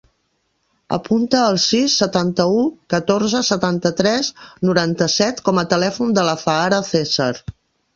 Apunta el sis, setanta-u, catorze, setanta-tres, noranta-set com a telèfon de l'Azahara Cesar.